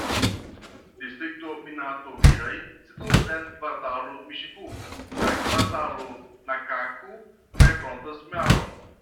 Distrikto Minato-Miraj situas en Kvartalo Niŝi-ku kaj Kvartalo Naka-ku, kaj frontas maron.